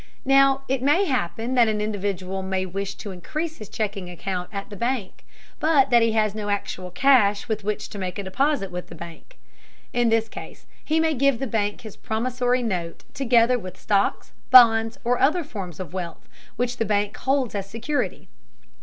Now it may happen that an individual may wish to increase his checking account at the bank, but that he has no actual cash with which to make a deposit with the bank. In this case he may give the bank his promissory note, together with stocks, bonds, or other forms of wealth, which the bank holds as security.